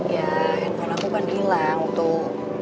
ya handphone aku kan hilang tuh